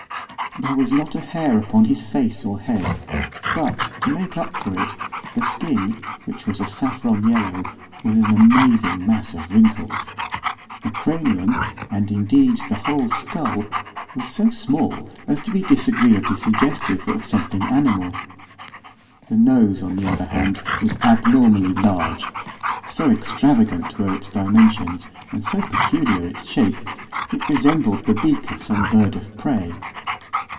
There was not a hair upon his face or head, but, to make up for it, the skin, which was a saffron yellow, was an amazing mass of wrinkles. The cranium, and, indeed, the whole skull, was so small as to be disagreeably suggestive of something animal. The nose, on the other hand, was abnormally large; so extravagant were its dimensions, and so peculiar its shape, it resembled the beak of some bird of prey.